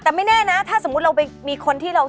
แต่ไม่แน่นะถ้าสมมุติเราไปมีคนที่เรา